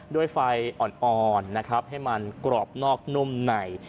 ด้วยไฟอ่อนนะครับให้มันกรอบนอกนุ่มใน